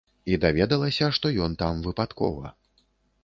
І даведалася, што ён там, выпадкова.